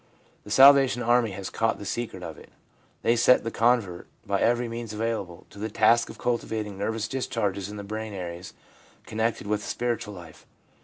The Salvation Army has caught the secret of it. They set the convert, by every means available, to the task of cultivating nervous discharges in the brain areas con nected with the spiritual life.